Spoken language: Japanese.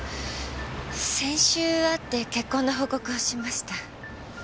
先週会って結婚の報告をしました。